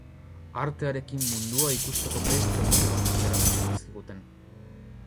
Artearekin mundua ikusteko beste modu batzuk erakutsi zizkiguten.